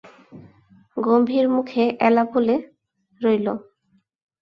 গম্ভীর মুখে এলা বলে রইল।